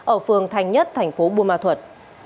ở phường thành nhất thành phố bù ma thuật